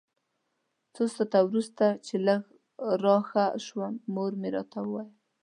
څو ساعته وروسته چې لږ راښه شوم مور مې راته وویل.